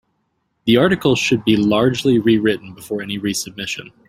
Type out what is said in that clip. The article should be largely rewritten before any resubmission.